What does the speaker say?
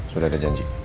sudah ada janji